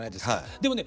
でもね